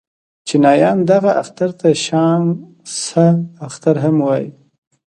چينایان دغه اختر ته شانګ سه اختر هم وايي.